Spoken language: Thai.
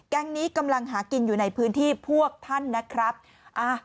นี้กำลังหากินอยู่ในพื้นที่พวกท่านนะครับอ่ะ